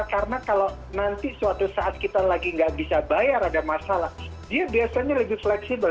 karena kalau nanti suatu saat kita lagi nggak bisa bayar ada masalah dia biasanya lebih fleksibel